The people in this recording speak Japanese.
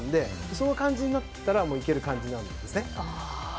その感じになったらいける感じなんですね。